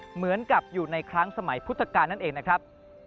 เหมือนกับอยู่ในครั้งสมัยพุทธกาลนั่นเองนะครับ